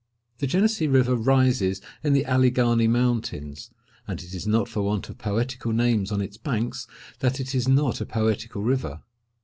The Genessee river rises in the Alleghany Mountains, and it is not for want of poetical names on its banks that it is not a poetical river.